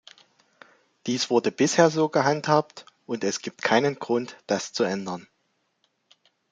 Dies wurde bisher so gehandhabt, und es gibt keinen Grund, das zu ändern.